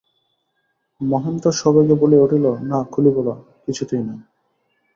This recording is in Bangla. মহেন্দ্র সবেগে বলিয়া উঠিল, না খুলিব না, কিছুতেই না।